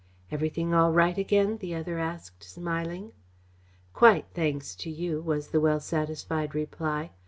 "Everything all right again?" the other asked, smiling. "Quite, thanks to you," was the well satisfied reply.